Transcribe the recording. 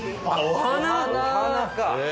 お花か。